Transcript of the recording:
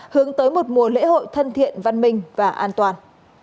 hướng tới một mùa lễ hội thân thiện văn minh và an toàn